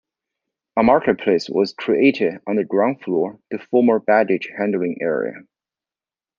A marketplace was created on the ground floor, the former baggage handling area.